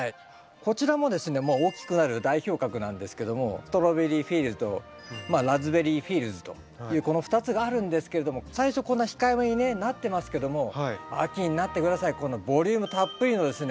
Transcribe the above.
こちらもですね大きくなる代表格なんですけどもというこの２つがあるんですけれども最初こんな控えめにねなってますけども秋になって下さいこのボリュームたっぷりのですね